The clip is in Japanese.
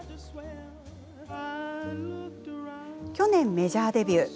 去年、メジャーデビュー。